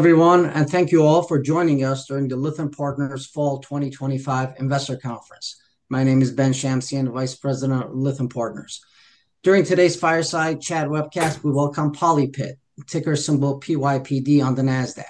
Hello everyone, and thank you all for joining us during the Lithuanian Partners Fall 2025 Investor Conference. My name is Ben Shanksian, Vice President of Lithuanian Partners. During today's Fireside Chat webcast, we welcome PolyPid, ticker symbol PYPD, on the NASDAQ.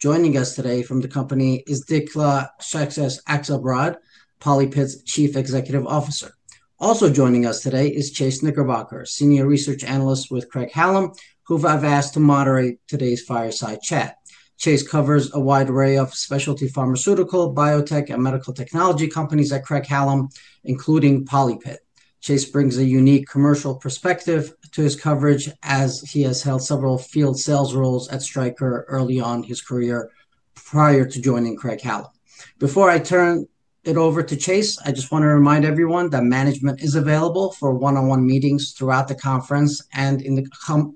Joining us today from the company is Dikla Czaczkes Akselbrad, PolyPid's Chief Executive Officer. Also joining us today is Chase Knickerbocker, Senior Research Analyst with Craig-Hallum, who I've asked to moderate today's Fireside Chat. Chase covers a wide array of specialty pharmaceutical, biotech, and medical technology companies at Craig-Hallum, including PolyPid. Chase brings a unique commercial perspective to his coverage as he has held several field sales roles at Stryker early on in his career prior to joining Craig-Hallum. Before I turn it over to Chase, I just want to remind everyone that management is available for one-on-one meetings throughout the conference and in the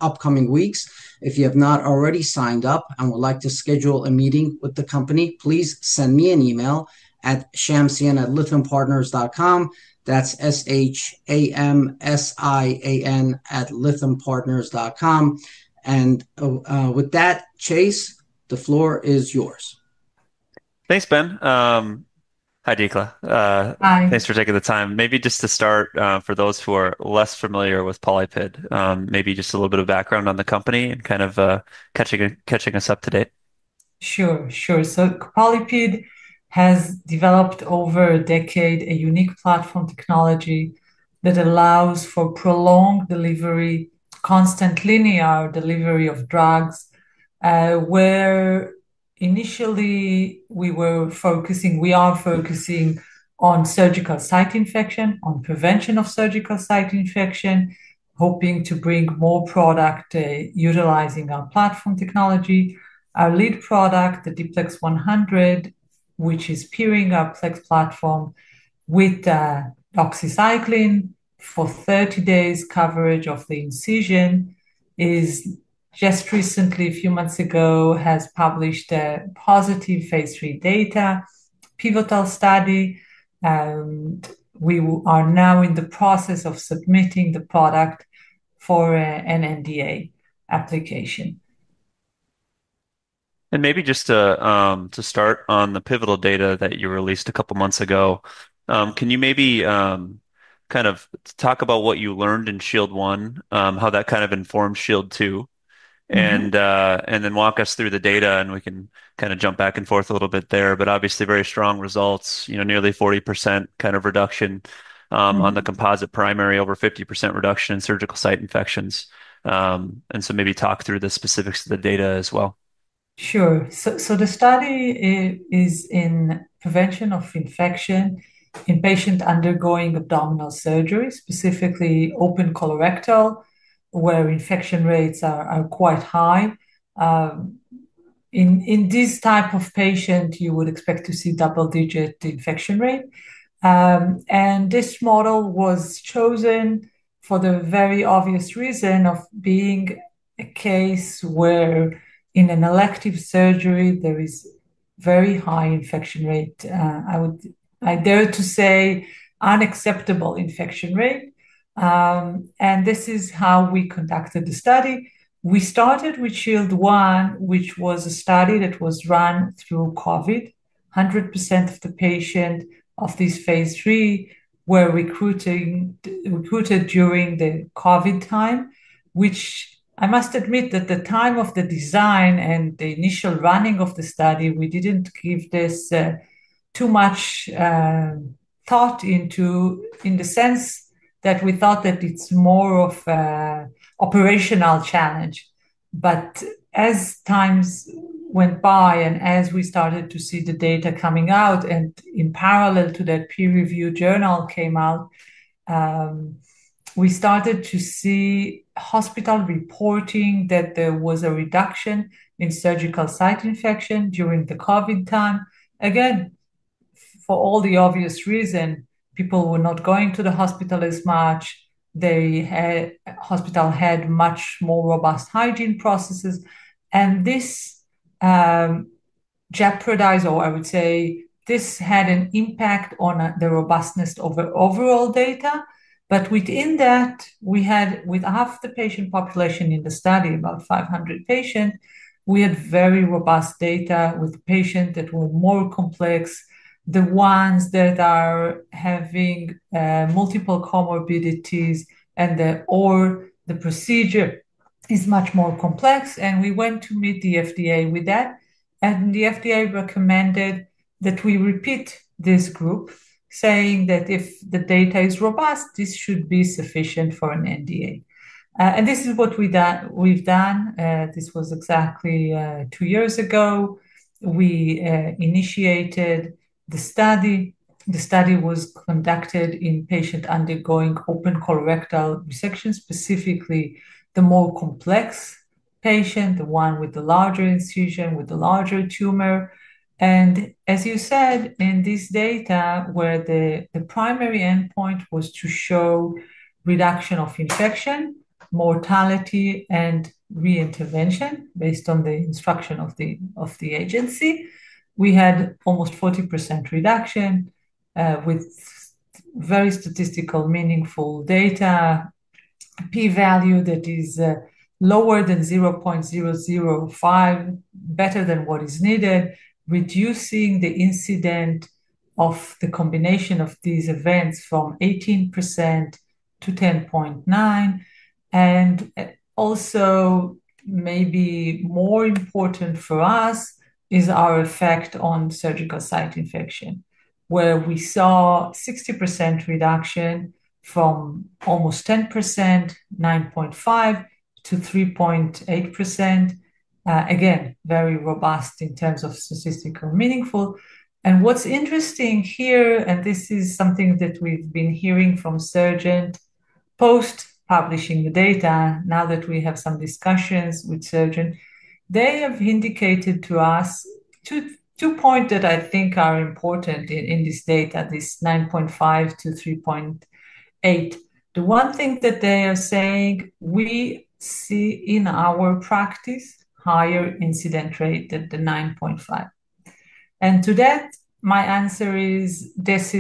upcoming weeks. If you have not already signed up and would like to schedule a meeting with the company, please send me an email at shamksian@lithuanianpartners.com. That's S-H-A-M-S-I-A-N at lithuanianpartners.com. With that, Chase, the floor is yours. Thanks, Ben. Hi, Dikla. Hi Thanks for taking the time. Maybe just to start, for those who are less familiar with PolyPid, maybe just a little bit of background on the company and kind of catching us up to date. Sure. PolyPid has developed over a decade a unique platform technology that allows for prolonged delivery, constant linear delivery of drugs, where initially we were focusing, we are focusing on surgical site infection, on prevention of surgical site infection, hoping to bring more product, utilizing our platform technology. Our lead product, the D-PLEX100, which is pairing our PLEX platform with doxycycline for 30 days coverage of the incision, just recently, a few months ago, has published a positive Phase 3 data, pivotal study, and we are now in the process of submitting the product for an NDA application. Maybe just to start on the pivotal data that you released a couple of months ago, can you talk about what you learned in SHIELD 1, how that informed SHIELD 2, and then walk us through the data? We can jump back and forth a little bit there, but obviously very strong results, nearly 40% reduction on the composite primary, over 50% reduction in surgical site infections. Maybe talk through the specifics of the data as well. Sure. The study is in prevention of infection in patients undergoing abdominal surgery, specifically open colorectal, where infection rates are quite high. In this type of patient, you would expect to see double-digit infection rate. This model was chosen for the very obvious reason of being a case where in an elective surgery, there is a very high infection rate. I would like there to say unacceptable infection rate. This is how we conducted the study. We started with SHIELD 1, which was a study that was run through COVID. 100% of the patients of this Phase 3 were recruited during the COVID time, which I must admit that at the time of the design and the initial running of the study, we didn't give this too much thought in the sense that we thought that it's more of an operational challenge. As times went by and as we started to see the data coming out and in parallel to that, a peer review journal came out, we started to see hospital reporting that there was a reduction in surgical site infection during the COVID time. For all the obvious reasons, people were not going to the hospital as much. The hospital had much more robust hygiene processes. This jeopardized, or I would say, this had an impact on the robustness of the overall data. Within that, we had, with half the patient population in the study, about 500 patients, very robust data with patients that were more complex, the ones that are having multiple comorbidities, and the procedure is much more complex. We went to meet the FDA with that. The FDA recommended that we repeat this group, saying that if the data is robust, this should be sufficient for an NDA. This is what we've done. This was exactly two years ago. We initiated the study. The study was conducted in patients undergoing open colorectal resection, specifically the more complex patients, the ones with the larger incision, with the larger tumor. As you said, in this data, where the primary endpoint was to show reduction of infection, mortality, and re-intervention based on the instruction of the agency, we had almost 40% reduction, with very statistically meaningful data, a p-value that is lower than 0.005, better than what is needed, reducing the incidence of the combination of these events from 18% to 10.9%. Also, maybe more important for us is our effect on surgical site infection, where we saw a 60% reduction from almost 10%, 9.5% to 3.8%. Again, very robust in terms of statistical meaningful. What's interesting here, and this is something that we've been hearing from surgeons post-publishing the data, now that we have some discussions with surgeons, they have indicated to us two points that I think are important in this data, at least 9.5% to 3.8%. The one thing that they are saying, we see in our practice a higher incidence rate than the 9.5%. To that, my answer is this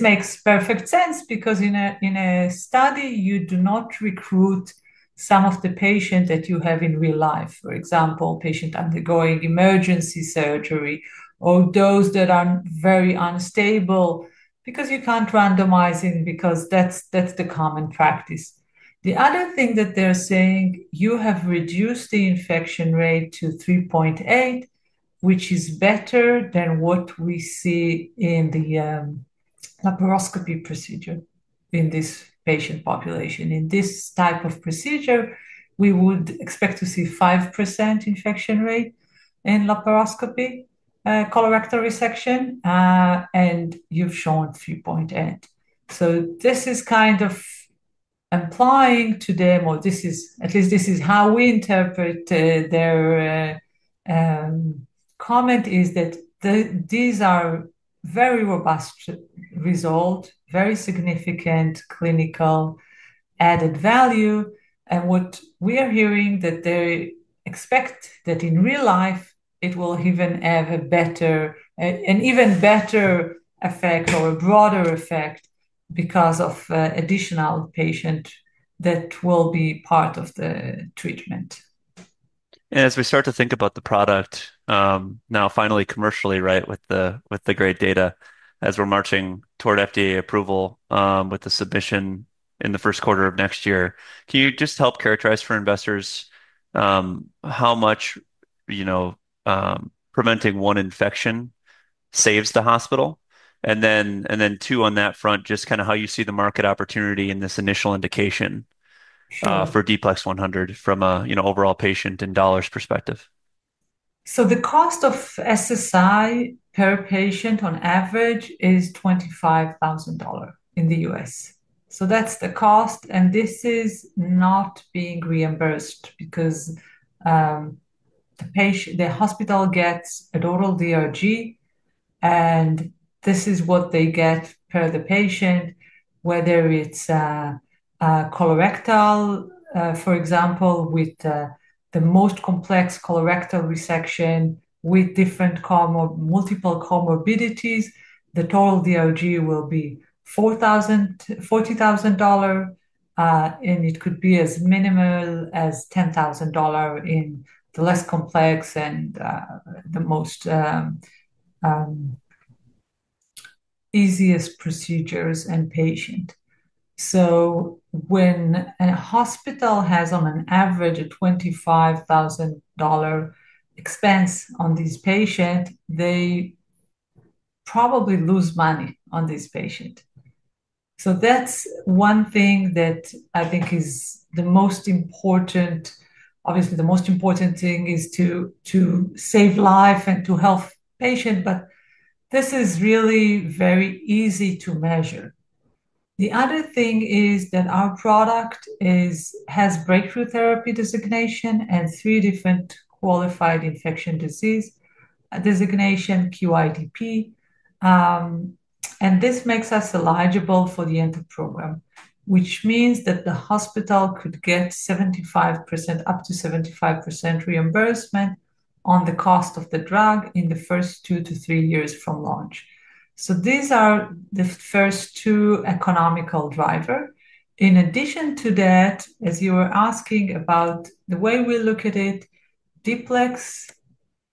makes perfect sense because in a study, you do not recruit some of the patients that you have in real life. For example, patients undergoing emergency surgery or those that are very unstable because you can't randomize them, because that's the common practice. The other thing that they're saying, you have reduced the infection rate to 3.8%, which is better than what we see in the laparoscopy procedure in this patient population. In this type of procedure, we would expect to see a 5% infection rate in laparoscopy colorectal resection, and you've shown 3.8%. This is kind of implying to them, or at least this is how we interpret their comment, that these are very robust results, very significant clinical added value. What we are hearing is that they expect that in real life, it will even have a better, an even better effect or a broader effect because of additional patients that will be part of the treatment. As we start to think about the product, now finally commercially, with the great data, as we're marching toward FDA approval, with the submission in the first quarter of next year, can you just help characterize for investors how much preventing one infection saves the hospital? Then, two on that front, just kind of how you see the market opportunity in this initial indication for D-PLEX100 from a, you know, overall patient and dollars perspective. The cost of SSI per patient on average is $25,000 in the U.S. That's the cost, and this is not being reimbursed because the hospital gets a total DRG, and this is what they get per patient, whether it's a colorectal, for example, with the most complex colorectal resection with different multiple comorbidities. The total DRG will be $40,000, and it could be as minimal as $10,000 in the less complex and the most easiest procedures and patients. When a hospital has, on average, a $25,000 expense on these patients, they probably lose money on these patients. That's one thing that I think is the most important. Obviously, the most important thing is to save life and to help patients, but this is really very easy to measure. The other thing is that our product has breakthrough therapy designation and three different Qualified Infectious Disease Product (QIDP) designations. This makes us eligible for the ENTEP program, which means that the hospital could get up to 75% reimbursement on the cost of the drug in the first two to three years from launch. These are the first two economical drivers. In addition to that, as you were asking about the way we look at it, D-PLEX100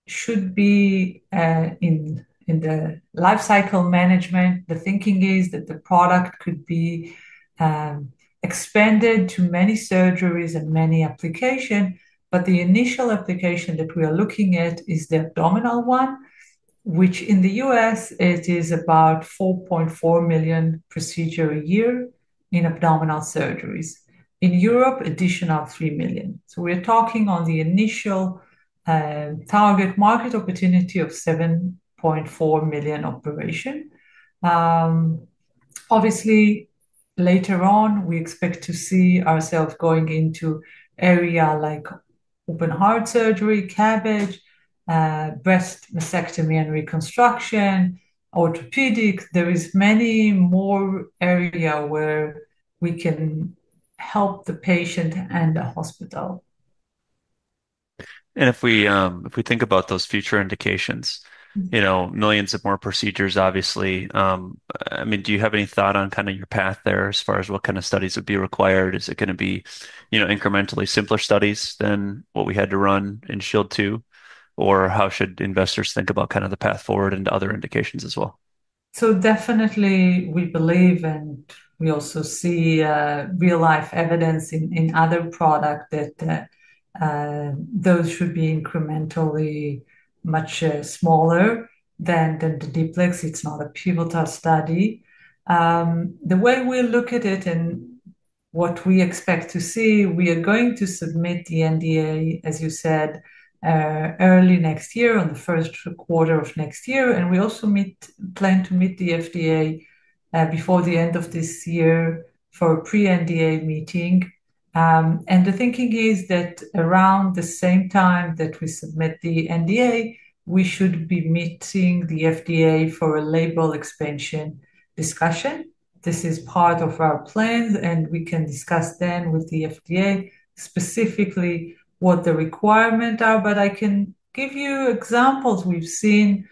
should be in the lifecycle management. The thinking is that the product could be expanded to many surgeries and many applications. The initial application that we are looking at is the abdominal one, which in the U.S., it is about 4.4 million procedures a year in abdominal surgeries. In Europe, additional 3 million. We're talking on the initial target market opportunity of 7.4 million operations. Obviously, later on, we expect to see ourselves going into areas like open heart surgery, CABG, breast mastectomy and reconstruction, orthopedics. There are many more areas where we can help the patient and the hospital. If we think about those future indications, you know, millions of more procedures, obviously, do you have any thought on kind of your path there as far as what kind of studies would be required? Is it going to be, you know, incrementally simpler studies than what we had to run in SHIELD 2? How should investors think about kind of the path forward and other indications as well? We believe, and we also see real-life evidence in other products, that those should be incrementally much smaller than the D-PLEX100. It's not a pivotal study. The way we look at it and what we expect to see, we are going to submit the NDA, as you said, early next year in the first quarter of next year. We also plan to meet the FDA before the end of this year for a pre-NDA meeting. The thinking is that around the same time that we submit the NDA, we should be meeting the FDA for a label expansion discussion. This is part of our plan, and we can discuss then with the FDA specifically what the requirements are. I can give you examples. We've seen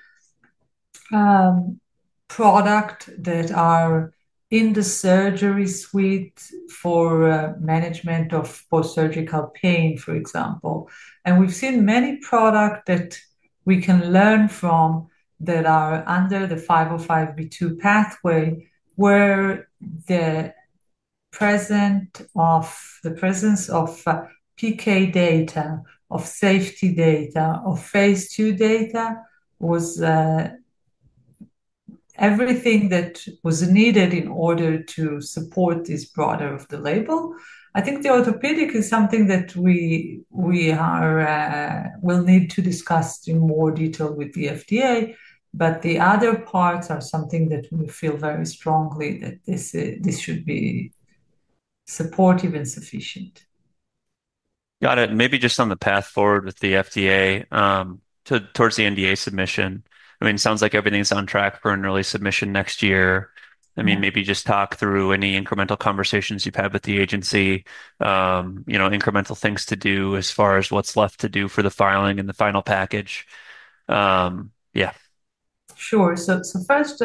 products that are in the surgery suite for management of post-surgical pain, for example. We've seen many products that we can learn from that are under the 505(b)(2) pathway, where the presence of PK data, of safety data, of Phase 2 data was everything that was needed in order to support this broader of the label. I think the orthopedic is something that we will need to discuss in more detail with the FDA. The other parts are something that we feel very strongly that this should be supportive and sufficient. Got it. Maybe just on the path forward with the FDA towards the NDA submission, it sounds like everything's on track for an early submission next year. Maybe just talk through any incremental conversations you've had with the agency, incremental things to do as far as what's left to do for the filing and the final package. Sure. First,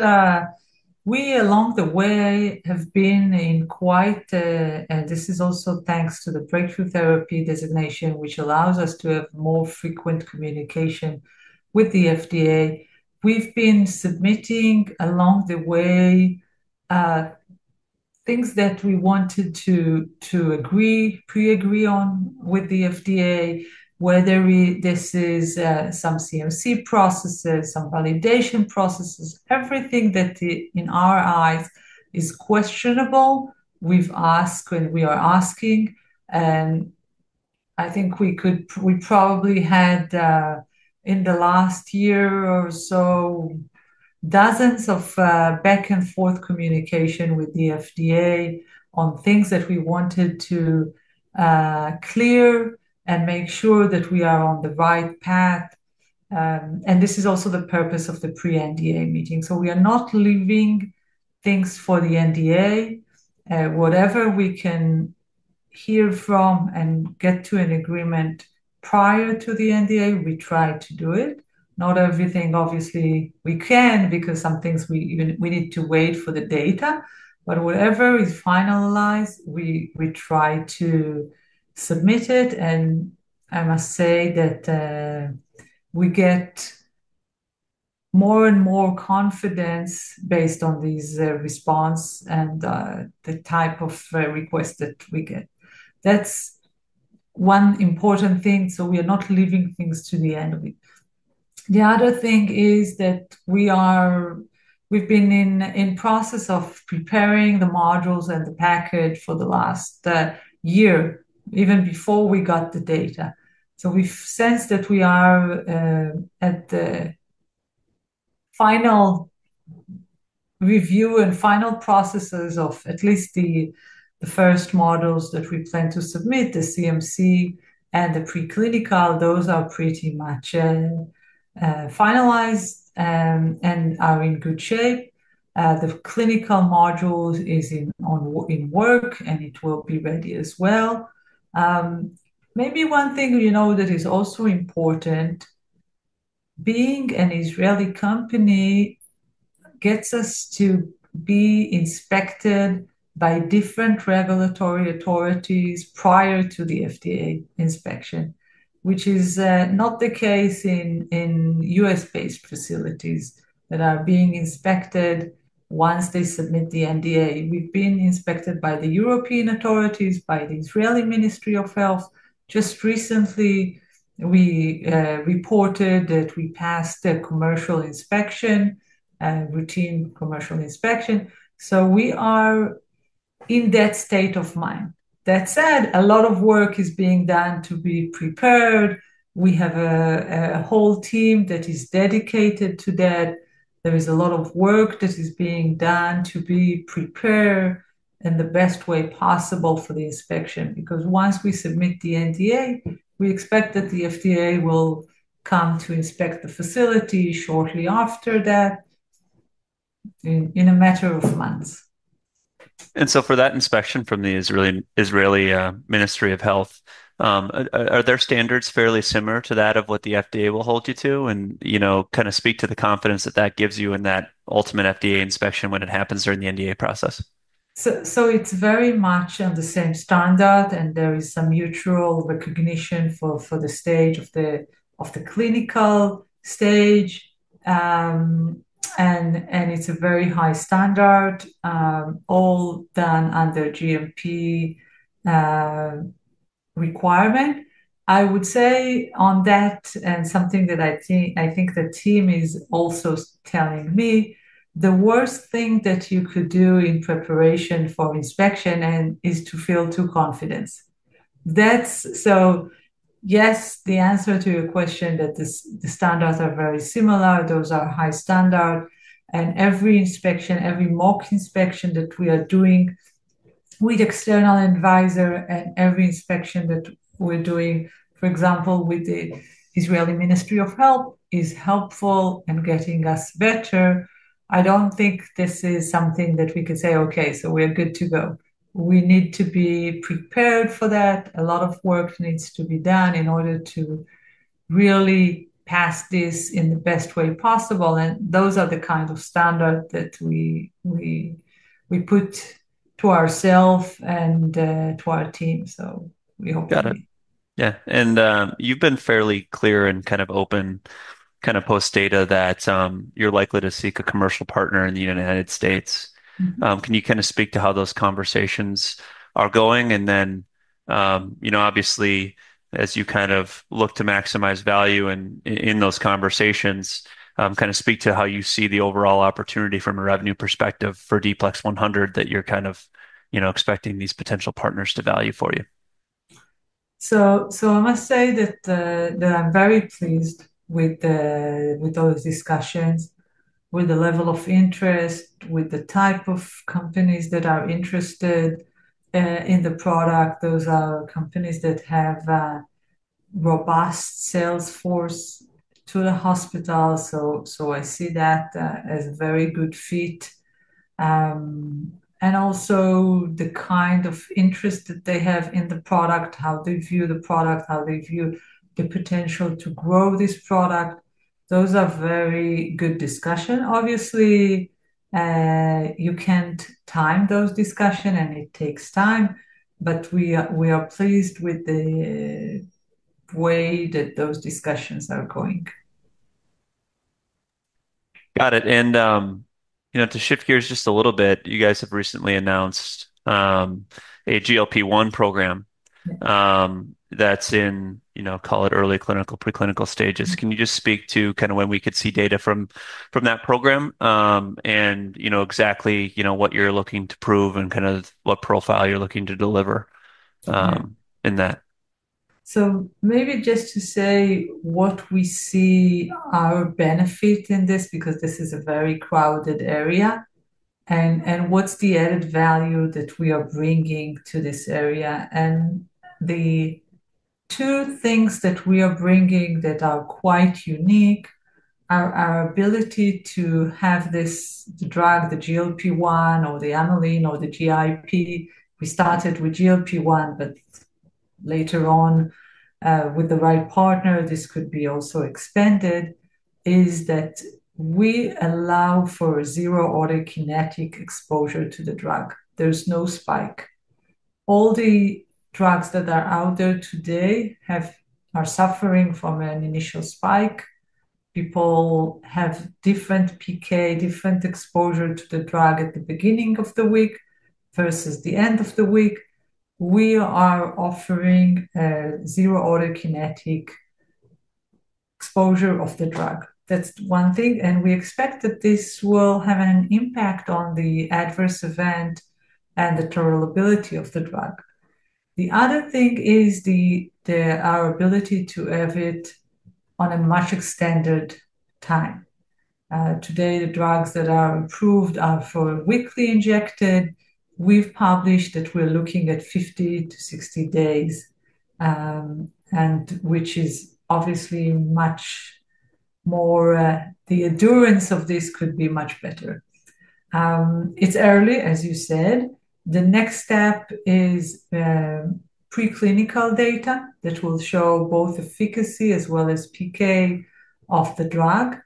we along the way have been in quite, and this is also thanks to the breakthrough therapy designation, which allows us to have more frequent communication with the FDA. We've been submitting along the way things that we wanted to pre-agree on with the FDA, whether this is some CMC processes, some validation processes, everything that in our eyes is questionable, we've asked and we are asking. I think we probably had in the last year or so, dozens of back-and-forth communication with the FDA on things that we wanted to clear and make sure that we are on the right path. This is also the purpose of the pre-NDA meeting. We are not leaving things for the NDA. Whatever we can hear from and get to an agreement prior to the NDA, we try to do it. Not everything, obviously, we can because some things we need to wait for the data. Whatever is finalized, we try to submit it. I must say that we get more and more confidence based on these responses and the type of requests that we get. That's one important thing. We are not leaving things to the end of it. The other thing is that we've been in the process of preparing the modules and the package for the last year, even before we got the data. We sense that we are at the final review and final processes of at least the first modules that we plan to submit, the CMC and the preclinical. Those are pretty much finalized and are in good shape. The clinical module is in work, and it will be ready as well. Maybe one thing that is also important, being an Israeli company gets us to be inspected by different regulatory authorities prior to the FDA inspection, which is not the case in U.S.-based facilities that are being inspected once they submit the NDA. We've been inspected by the European authorities, by the Israeli Ministry of Health. Just recently, we reported that we passed a commercial inspection and routine commercial inspection. We are in that state of mind. That said, a lot of work is being done to be prepared. We have a whole team that is dedicated to that. There is a lot of work that is being done to be prepared in the best way possible for the inspection. Once we submit the NDA, we expect that the FDA will come to inspect the facility shortly after that, in a matter of months. For that inspection from the Israeli Ministry of Health, are their standards fairly similar to that of what the FDA will hold you to, and can you speak to the confidence that that gives you in that ultimate FDA inspection when it happens during the NDA process? It's very much on the same standard, and there is some mutual recognition for the stage of the clinical stage, and it's a very high standard, all done under GMP requirement. I would say on that, and something that I think the team is also telling me, the worst thing that you could do in preparation for inspection is to feel too confident. Yes, the answer to your question is that the standards are very similar. Those are high standards. Every inspection, every mock inspection that we are doing with an external advisor, and every inspection that we're doing, for example, with the Israeli Ministry of Health, is helpful in getting us better. I don't think this is something that we can say, "Okay, we're good to go." We need to be prepared for that. A lot of work needs to be done in order to really pass this in the best way possible. Those are the kinds of standards that we put to ourselves and to our team. We hope to be. Got it. Yeah. You've been fairly clear and open post-data that you're likely to seek a commercial partner in the U.S. Can you speak to how those conversations are going? Obviously, as you look to maximize value in those conversations, speak to how you see the overall opportunity from a revenue perspective for D-PLEX100 that you're expecting these potential partners to value for you. I must say that I'm very pleased with all those discussions, with the level of interest, with the type of companies that are interested in the product. Those are companies that have a robust sales force to the hospital. I see that as a very good fit. Also, the kind of interest that they have in the product, how they view the product, how they view the potential to grow this product. Those are very good discussions. Obviously, you can't time those discussions, and it takes time. We are pleased with the way that those discussions are going. Got it. To shift gears just a little bit, you guys have recently announced a GLP-1 program that's in, you know, call it early clinical, preclinical stages. Can you just speak to kind of when we could see data from that program and exactly what you're looking to prove and kind of what profile you're looking to deliver in that? Maybe just to say what we see our benefit in this, because this is a very crowded area, and what's the added value that we are bringing to this area. The two things that we are bringing that are quite unique are our ability to have this drug, the GLP-1, or the amyline, or the GIP. We started with GLP-1, but later on, with the right partner, this could be also expanded, is that we allow for zero autokinetic exposure to the drug. There's no spike. All the drugs that are out there today are suffering from an initial spike. People have different PK, different exposure to the drug at the beginning of the week versus the end of the week. We are offering a zero autokinetic exposure of the drug. That's one thing. We expect that this will have an impact on the adverse event and the tolerability of the drug. The other thing is our ability to have it on a much extended time. Today, the drugs that are approved are for a weekly injection. We've published that we're looking at 50 to 60 days, which is obviously much more. The endurance of this could be much better. It's early, as you said. The next step is preclinical data that will show both efficacy as well as PK of the drug.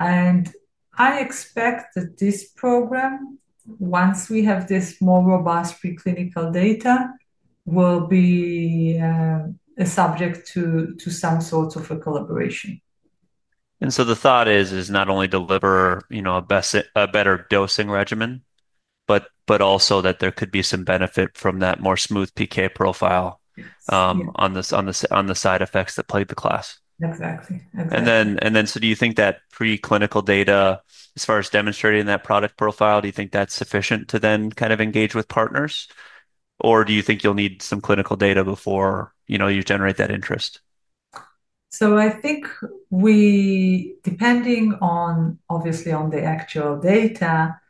I expect that this program, once we have this more robust preclinical data, will be a subject to some sort of a collaboration. The thought is not only to deliver a better dosing regimen, but also that there could be some benefit from that more smooth PK profile on the side effects that plague the class. Exactly. Do you think that preclinical data, as far as demonstrating that product profile, is sufficient to then kind of engage with partners? Do you think you'll need some clinical data before you generate that interest? I think we, depending obviously on the actual data,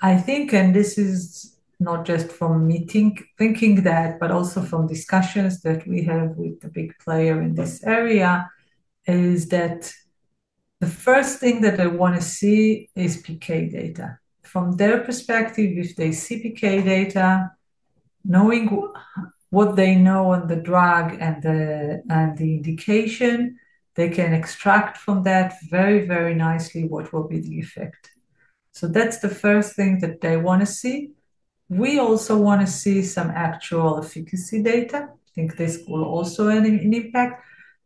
and this is not just from me thinking that, but also from discussions that we have with the big players in this area, the first thing that they want to see is PK data. From their perspective, if they see PK data, knowing what they know on the drug and the indication, they can extract from that very, very nicely what will be the effect. That's the first thing that they want to see. We also want to see some actual efficacy data. I think this will also have an impact.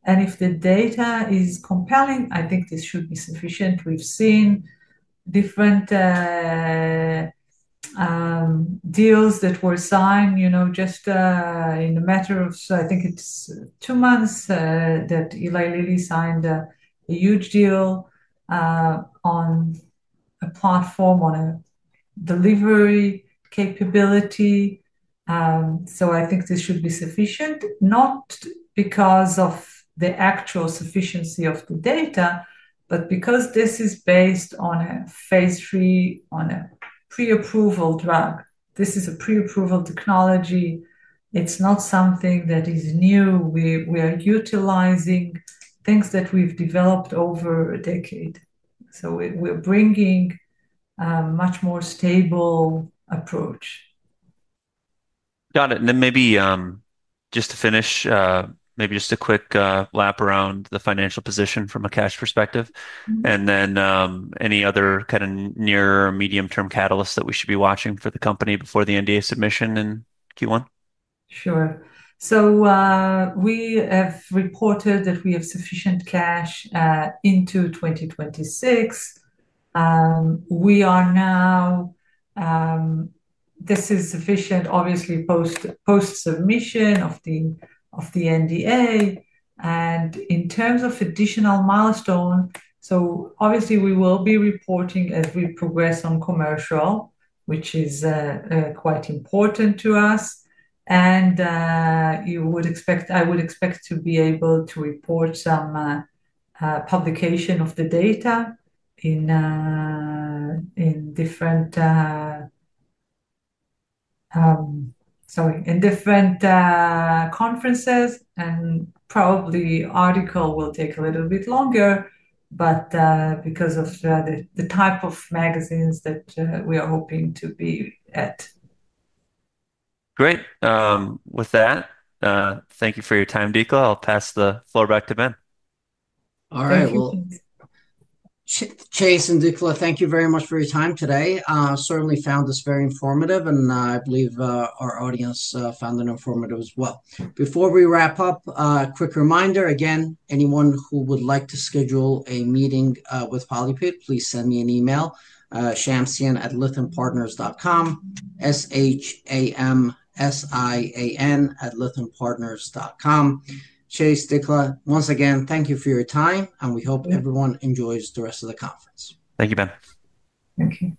If the data is compelling, I think this should be sufficient. We've seen different deals that were signed, you know, just in a matter of, I think it's two months that Eli Lilly signed a huge deal on a platform, on a delivery capability. I think this should be sufficient, not because of the actual sufficiency of the data, but because this is based on a Phase 3, on a pre-approval drug. This is a pre-approval technology. It's not something that is new. We are utilizing things that we've developed over a decade. We're bringing a much more stable approach. Got it. Maybe just to finish, maybe just a quick lap around the financial position from a cash perspective, and then any other kind of near or medium-term catalysts that we should be watching for the company before the NDA submission in Q1? Sure. We have reported that we have sufficient cash into 2026. This is sufficient, obviously, post-submission of the NDA. In terms of additional milestones, we will be reporting as we progress on commercial, which is quite important to us. You would expect, I would expect to be able to report some publication of the data in different conferences. Probably the article will take a little bit longer because of the type of magazines that we are hoping to be at. Great. With that, thank you for your time, Dikla. I'll pass the floor back to Ben. All right. Chase and Dikla, thank you very much for your time today. Certainly found this very informative, and I believe our audience found it informative as well. Before we wrap up, a quick reminder. Again, anyone who would like to schedule a meeting with PolyPid, please send me an email: shamksian@lithuanianpartners.com, S-H-A-M-S-I-A-N at lithuanianpartners.com. Chase, Dikla, once again, thank you for your time, and we hope everyone enjoys the rest of the conference. Thank you, Ben.